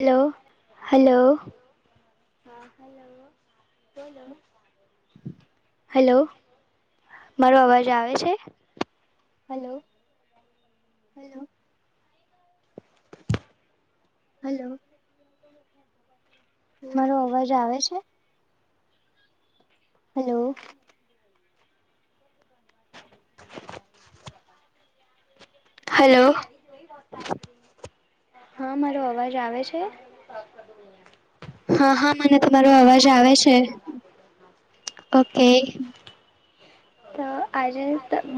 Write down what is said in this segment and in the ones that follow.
Hello, hello. Hello. મારો, અવાજ આવે છે. હલો. હલો. મારો અવાજ, આવે છે. હલો. એ જો હા, મારો અવાજ આવે છે. મિનિટમા, તો આજ આવે છે. ઓકે તો આજે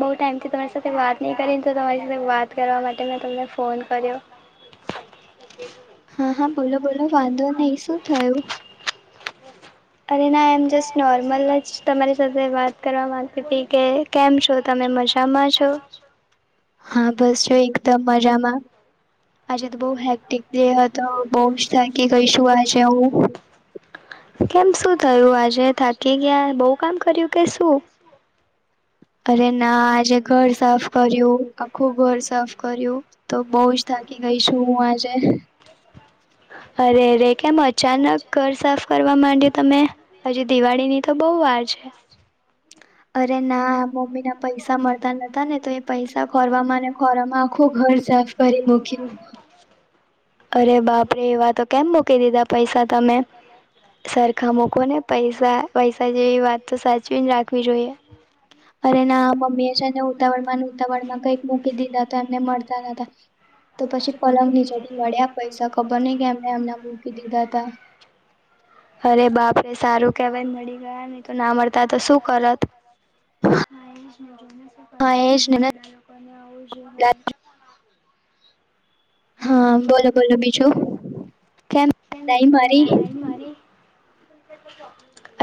બઉ ટાઈમથી તમારી સાથે વાત નહી, કરીને તો તમારી સાથે વાત કરવા, માટે મેં તમને ફોન કર્યો હા, હા બોલો, બોલો વાંધો નહી, શું થયું અ, ના એમ જસ્ટ નોર્મલ, જ તમારી સાથે વાત કરવા માંગતી હતી, કે કેમ છો, તમે મજામાં છો. હા, બસ જો એકદમ મજામાં આજે, તો બહ હેક્ટિક ડે હતો, બહુજ થાયકી કઈશું આજે હું કેમ શું થયું, આજે થાકી ગયા, બહુ કામ કર્યું કે શું અરે ના આજે ઘર સાફ કર્યું આખું, ઘર સાફ કર્યું તો બહ જ થાકી ગઈશું. હુ આજે હ અરેરે કેમ અચાનક ઘર સાફ કરવા માંડ્યું, તમે હજી, દિવાળીની તો બહુ વાર જ [inaudible] અરે, ના. મમ્મી ના પૈસા મળતા નતા, ને તો એ પૈસા ખોરવામા અને ખોરમા આખુ ઘર સાફ, કરી મૂકી અરે બાપરેે, એવા તો કેમ મૂકી દીધા પૈસા, તમે સરખા મૂકો ને પૈસા, પૈસા જેવી, વાત તો સાચવીને રાખવી જોઈએ અને ના મમ્મી એ છેને, ઉતાવળમા ને ઉતાવળમા કઈક મૂટી દીધા હતા, એમને મળતા ન હતા તો પછી કલંગ નીજેથી, મળ્યા પૈસા ખબર નહ, કે એમને એમના મોૂકી દીધા હતા અરે બાપડે સારું કેવાય નડી ગયા. નને તો ના મળતા તો શું કરત હ એ જ મજું નથી, કરવા ઘણા લોકોને આવું જો હોય. હા, બોલો બોલો બીજું, કેમ કેમ એકદમ યાદ, આયી મારી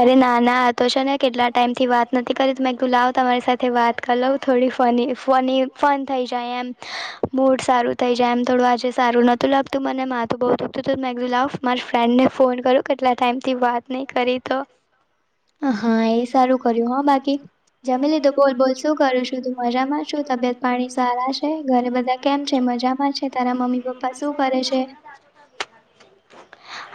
અરે ના, ના તો છેને, કેટલા ટાઈમ થી વાત નથી. કરી તમેધું લાવ તમારી સાથે વાત કલવ થોડી ફની, ફની ફન થઈ, જાય એમ મૂડ સારું થઈ, જાય એમ થોડું આજે સારું નોત લાગતું, મને મામાં તો બહુ દુખતું મે લો મા ફ્રેન્ડને ફોન કરું, કેટલા ટાઈમ થી વાત નહી, કરી તો હા, એ સારું કર્યું હા, બાકી જમી લીધું બોલ બોલ શું કરું, શું તું મજામાં શું તબિયત પાણી સારા છે, ઘરે બધા કેમ છે, મજામાં છે, તારા મમ્મી પપ્પા શું કરે છે.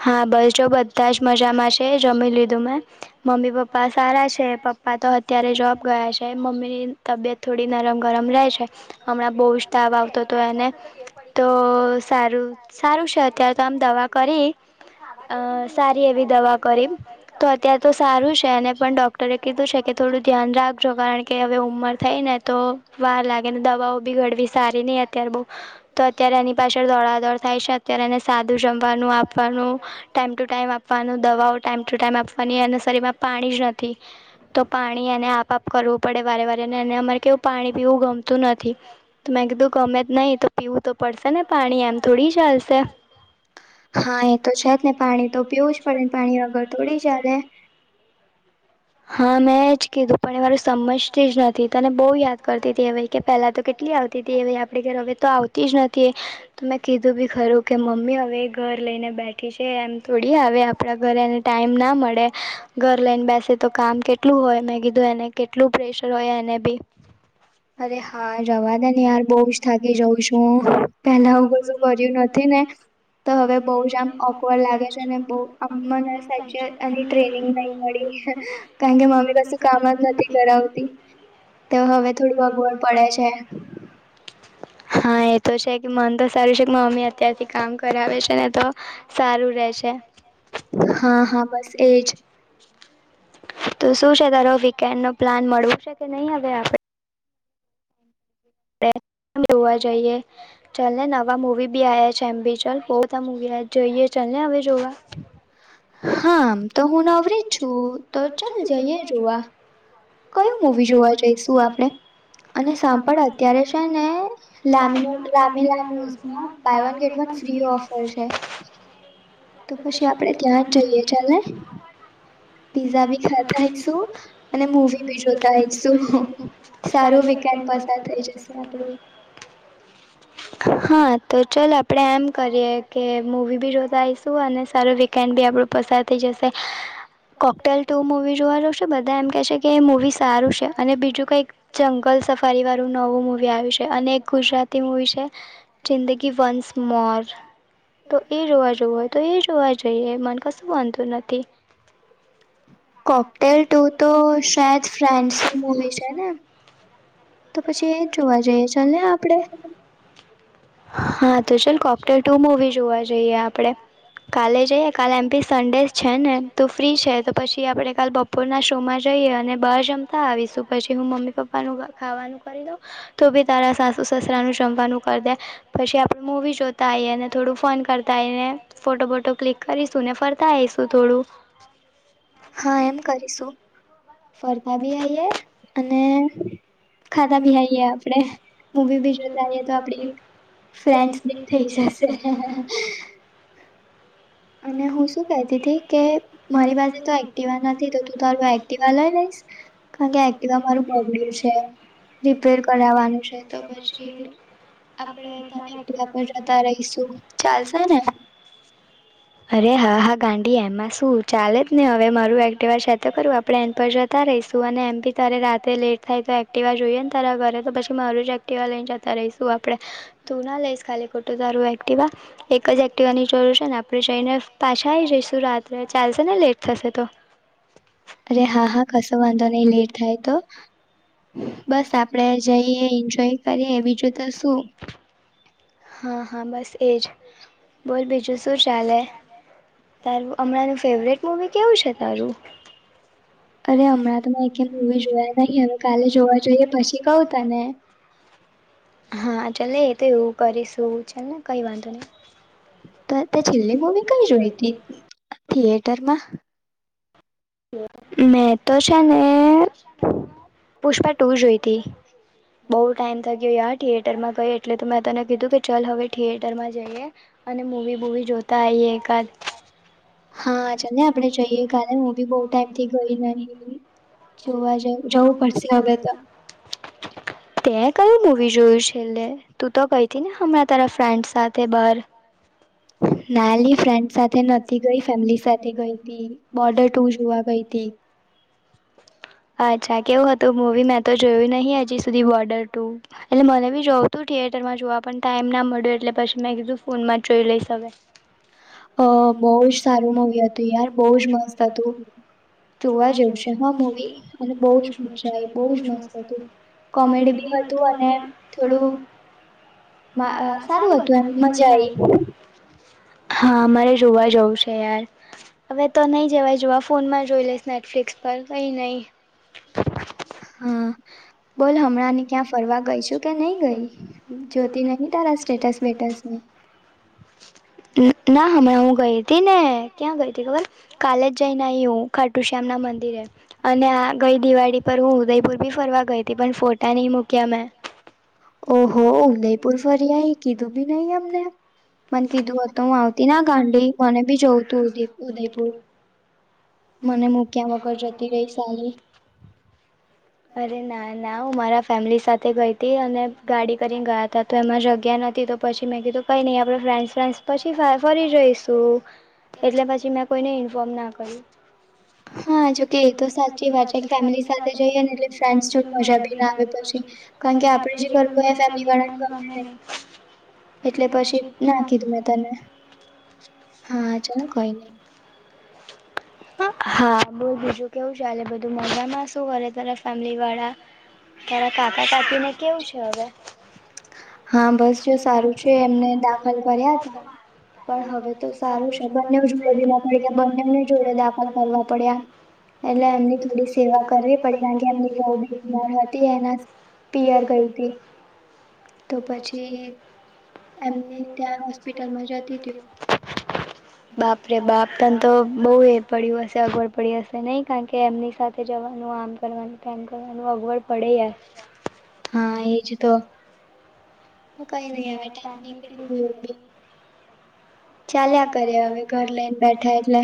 હ હા, બસ જો બધા જ મજામાં છે, જમી લીધું મેં મમ્મી પપ્પા સારા છે, પપ્પા પપ્પા તો અત્યારે જોબ ગયા છે, મમ્મી ની તબિયત થોડી નરમ ગરમ રહે છે, હમણાં બહુ એને તો સારું, સારું છે, અત તોમ દવા કરી અ સારી એવી દવા કરી તો અતાર તો સારું છે, અને પણ ડોક્ટરે કીધું છે, કે થોડું ધ્યાન રાખજો કારણ કે હવે ઉંમર થઈ, ને તો વાર લાગે ને દવ વા બી ઘડવી સારી નહ, અત્યારે બહ તો અત્યારે એની પાછળ દોડાદોડ થાય છે, અત્યારે એ સાદું જમવાનું આપવાનું ટાઈમ ટુ ટાઈમ, આપવાનું દવાઓ ટાઈમ ટુ ટાઈમ, આપવાની એનસરીમાં પાણી જ નથી, તો પાણી એને આપઆપ કરવું પડે વારે, વારે અને એને અમારે કેવું પાણી પીવું, ગમતું, નથી. તો મેં કીધું કે ગમે નહીં, તો પીવું તો પડશે ને પાણી એમ થોડી, ચાલશે હા, એ તો છેજ, ને પાણી તો પીવું જ પડેને પાણી વગર તોોડી જલે હા, મેં જ કીધું પણ એ મારું સમજતી જ નથી. તને બહુ યાદ કરતી હતી, એવી કે પેલા તો કેટલી આવતી હતી, હ આપ ઘ હવે, તો આવતીજ નથી, એ તો મેં કીધું બી ખરું કે મમ્મી હવે ઘર લઈને બેઠી છે, એમ થોડી આવે આપણા ઘરે એને ટાઈમ ના મળે ઘર લઈને બેસે તો કામ કેટલું હોય, મેં કીધું એને કેટલું પ્રેશર હોય, એને બી અરે હા જવા દ ને યાર બહુજ થાકી, જઉં છું. પેલા આવું કશું કર્યું નથી એને તો હવે બઉજ આમ ઓકવર્ડ લાગે છે, અને બ મને સા એ ટ્રેનિંગ નહી, મળી કાર કે મામમી કસ કામ જ નથી, કરાવતી તો હવે થોડું, અગવડ પડે છે. હા, એ તો છે, કે મન તો સારું છે, કે મમ્મી ત્યાંથી કામ કરાવે છેને, તો સારું રહેેશે હા, હા બસ, એજ તો શું છે, તાર વીકેન્ડ નો પ્લાન મળું છે, કે નહીં હવે આપડ જોવા જઈએ ચલે નવા મૂવી, ભી આયા છેમ્બીચલ હો ત મુગ જોઈએ ચલને હવે, જોગ હા, તો હું નવરી છું, તો ચાલ જઈએ, જોવા કયું મૂવી જોવા, જઈશું આપણે અને સાંપળ અત્યારે છેને, લમીમી buy one get one free offer છે, તો પછી આપડે ત્યાં જ જઈએ ચાલો પીઝા બી ખાતા ઈું અને મવી બી જોતા, ઈશું સારું વન્ડ પસાર થઈ, જશે આપણું [inaudible] હા, તો ચાલ આપણે એમ કરીએ, કે મૂવી બી રોતાઈશું, અને સારો વીકેન્ડ બી આપણું પસાર જશે કોકટેલ ટુ મવી જોવા જશે બધા એમ કેહે છે કે એ મુવી સારું છે અને બીજું કંઈક જંગલ સફરી વાળું નવું મૂવી આવ્યું છે અને એક ગુજરાતી મૂવી છે જિંદગી વંસ મોર તો એ જોવા જવું હોય તો એ જોવા જઈએ મન કસુ વાંધો નથી કોપટેલ ટુ તો શાયદ ફ્રાન્સી મુવી છે ને તો પછી એ જ જોવા જઈએ ચાલ ને આપણેે હા તો ચલ કોક્ટર ટુ મવી જોવા જઈએ આપણે કાલે જઈએ કાલે એમપીસ સન્ડે છે ને તું ફ્રી છે તો પછી આપણે કાલ બપોરના શોમાં જઈએ અને બહાર જમતા આવીશ શું પછી હું મમ્મી પપ્પાનું ખાવાનું કરી દઉં તો ભી તારા સાસુ સસરાનું જમવાનું કરી દે પછી આપણે મૂવી જોતા આવીઈએને થોડું ફન કરતા આવીઈને ફોટ ફોટો ફોટો ક્લિક કરીશું ને ફર ખાઈશું થોડું ફરતા બી આઈએ અને ખાતાા ભી આઈએ આપડે મુવી બી ભી જોતાઈએ તો આપડી ફ્રેન્સ બીક થઈ જશે [inaudible] અને હું શું કતી હતીી કે મારી પાસે તો એક્ટિવા નથી તો તું તારું એક્ટિવા લઈ લઈશ કારણ કે એકિટવા મારું બગડ્યું છે રિપેર કરાવવાનું છે તો પછી આપણે તારે એકિટવા પર જતા રહીશું ચાલશે ને અરે હા હા ગાંડી એમાં શું ચાલે જ ને હવે મારું એક્ટિવાર છે તો કરું આપડે એન પર જતા ર રઈશું અને એમ ભી તારે રાતે લેટ થાય તો એક્ટિવા જોઈએ ને તારા ઘરે તો પછી મારુ જ એક્ટિવા લઈને જતા રહીશું આપ આપણે તું ના લઈશ ખાલી ખોટું તારું એક્ટિવા એક જ એક્ટિવાની જરૂર છે ને આપણે જઈને પાછા આઈજ શું રાતે અરે હા હા કશો વાંધો નહી લેટ થાય તો હા. બસ આપણેે જઈએ એન્જોય કરીએવી જોઈશુ. હા હા બસ એ જ બોલ બીજુ શું ચાલે. તારું હમણાંનું ફેવરેટ મુવી કેવું છે તારું. અરે હમણાં તોમાં એક હવે જોયા નહી હવે કાલે જોવા જોઈએ પછી કઉ તને. હા ચલે એ તો એવું કરીશું ચાલ ને કઈ વાંધો નહી. તો તે છેલ્લી મૂવી કઈ જોઈ હતી થિયેટરમાં. મેં તો છે ને પુષ્પા ટુ જોઈતી. બહુ ટાઈમ થઈ ગયો યાર થિયેટર માં ગઈ એટલે તો મેં તને કીધું કે ચાલ હવે થિયેટર માં જઈએ અને મૂવી બૂવી જોતા આઈએ એકાદ હા ચલને આપણે જઈએ કાલે હું ભી બહુ ટાઈમથી ગઈ ન જોવા જ જવું પડશે હવે ત તે કયું જોયું છેલ્લે તું તો ગઈતી ને હમણાં તારા ફ્રેન્ડ સાથે બાર નાલી ફ્રેન્ડ સાથે નથી ગઈ ફેમિલી સાથે ગઈ હતી બોર્ડર ટુ [inaudible] અચ્છા કેવું હતું મુવી મેં તો જોયું નહી હજી સુધી બોર્ડર ટુ એટલે મને બી જોવું તું થિયેટરમાં જોવા પણ ટાઈમ ના મળ્યો એટલે પછી મેં કીધું ફોન માં જ જોઈ લઈશ હવે અ બોવુ જ સારું મુવી હતું યાર બોવુ જ મસ્ત હતું જોવા જેવુ છે હા મુવી અને બોવ જ મજા આવી બોવુ જ મસ્ત હતું કોમેડી બી હતું અને થોડું મા આ સારુ હતું, એને મજા આવી હા, મારે જોવા જવું છે, યાર હવે તો નહી, જવાય જો ફોનમાં જોઈ લઈશ નેટફ્લિક્સ પર કઈ નહી. હા બોલ હમણા ને ક્યા ફરવા ગઈ છુ, કે નહી ગઈ જોતી નહી, તારા સ્ટેટસ બેટસને ના હમણાં હું ગઈ, હતી ને ક્યાં ગઈ હતી, ખબર કાલે જ જઈને, આવી હું ખાટુ શ્યામ ના મંદિરે અને આ ગઈ, દિવાળી પર હું ઉદયપુર ભી ફરવા ગઈ તે પણ ફોટાની, મુક્યા મેં ઓહો ઉદયપુર ફરી, આવી કીધું બી નહી, અમને મને કીધું હત, હું આવતી ના ગા મડી મને બી જોવું, તું ઉદયપુર મને મૂક્યા વગર જતી ગઈ, સાલી અરે ના ના હું, મારા ફેમિલી સાથે ગઈ હતી અને ગાડી કરીને ગયા તા તો એમાં જગ્યા નથી, તો પછી મેં કી તો કઈ નઈ આપડે ફ્રેન્ડસ ફ્રેન્સ પછી, ફા ફરી જઈશું એટલે પછી, મેં કોઈને ઇન્ફોર્મ ના કર્યું હા, જોકે એ તો સાચી વાત ફેમિલી સાથે જઈએ, ને એટલે ફ્રેનસ મજા બી ના આવે પછી, કારણ કે આપે જે કરવું ફેમલી વાળાને ગમે નહી એટલે પછી, ના કીધું મેં તને હા ચાલ કઈ, ની હા, બોલ બીજું કેવું ચાલે બધું મજામાં શું ઘરે, તારા ફેમિલી વાળા ત્યારે કાકા કાકીને કેવું છે, હવે હા, બસ જો સારું છે, એમને દાખલ કર્યા હતા પણ હવે તો સારું છે, બંને જોડે બીમાર પડી ગયા, બંનેને જોડે દાખલ કરવા પડ્યા એટલે એમની થોડી, સેવા કરવી પડી કારણ કે એમની. ના વધી, એને પીયર કરતી તો પછી, અને ત્યાં હોસ્પિટલમા જતી બાપરે, બાપ તન તો બહુ, એ પડ્યું હશે, અગવડ પડી હશે નહીં કારણ કે એમની સાથે જવાનું આમ કરવાની તેમ તો અગવળ પડે હા, એજ તો હ કઈ નહી, આવે [unintelligible] ચાલ્યા કરે હવે, ઘર લઈને, બેઠા એટલે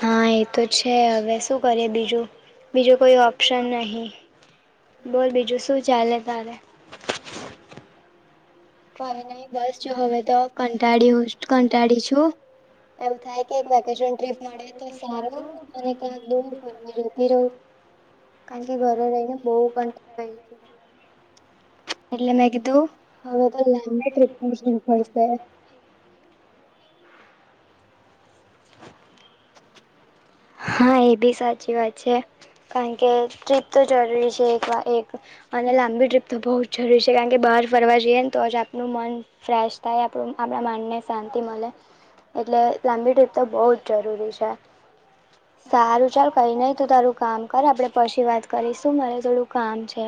હા, એ તો છે, હવે શું કરીએ બીજું બીજું કોઈ, ઓપ્શન નહીં બોલ બીજું શું ચાલે, તારે કોઈ નહી, બસ જો હવે, તો કંટાળી કંટાળી છું. એમું થા, ય કે એક વેકેશન ટ્રીપ મળે તો સારુ અને ત્યાથી. [inaudible] કારણ કે ઘરે રહીને, બહ પણ ગય છે. હમ એટલે, મે કીધું [inaudible] હા, એ બી સાચી વાત છે, કારણ કે ટ્રીપ તો જરૂરી છે, એક વા એક અને લાંબી ટ્રીપ, તો બહુ જરૂરી છે, કારણ કે બહાર ફરવા જઈએ, ને તો જ આપણું મન ફ્રેશ થાય, આપણું આપણા મનને શાંતિ મળે એટલે લાંબી રીપ, તો બહુ જ જરૂરી છે, સારું ચાલ કઈને તો તારું કામ કર આપડે પછી વાત કરીશું, મરે થોડું કામ છે.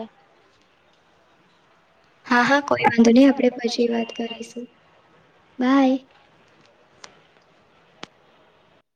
હા, હા કોઈ વાંધો નહી, આપે પછી વાત કરીશું બાય